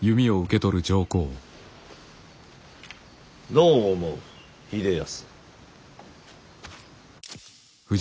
どう思う秀康。